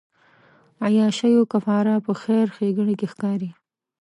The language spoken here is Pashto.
عیاشیو کفاره په خیر ښېګڼې کې ښکاري.